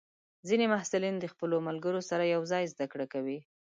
ځینې محصلین د خپلو ملګرو سره یوځای زده کړه کوي.